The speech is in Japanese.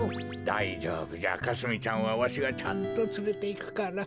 だいじょうぶじゃかすみちゃんはわしがちゃんとつれていくから。